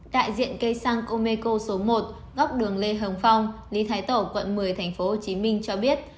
đại diện cây xăng omeco số một góc đường lê hồng phong lý thái tổ quận một mươi tp hcm cho biết